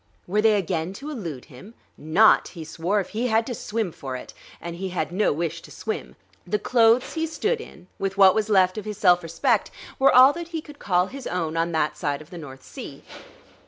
Were they again to elude him? Not, he swore, if he had to swim for it. And he had no wish to swim. The clothes he stood in, with what was left of his self respect, were all that he could call his own on that side of the North Sea.